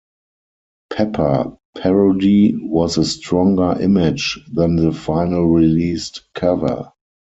Pepper" parody "was a stronger image" than the final released cover.